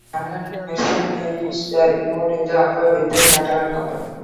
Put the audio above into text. Alan mercenaries were involved in the affair with the Catalan Company.